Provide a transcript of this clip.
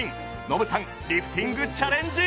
ノブさんリフティングチャレンジ！